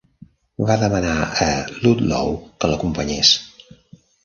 Va demanar a Ludlow que l'acompanyés.